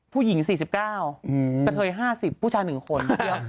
ผู้หญิง๔๙กระเทย๕๐ผู้ชาย๑คน